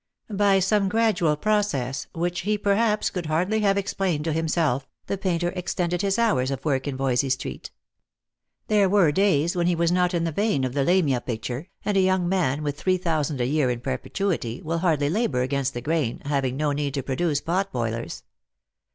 By some gradual process, which he perhaps could hardly have explained to himself, the painter extended his hours of work in Voysey street. There were days when he was not in the vein of the Lamia picture, and a young man with three thousand a year in perpetuity will hardly labour against the grain, having no need to produce pot boilers.